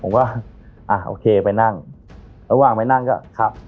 ว่าอ่าโอเคไปนั่งระหว่างไปนั่งก็ขับ